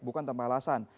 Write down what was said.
bukan tanpa alasan